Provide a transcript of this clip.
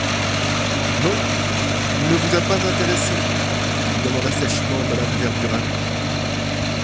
Non? il ne vous a pas intéressé ? lui demanda sèchement Madame Verdurin.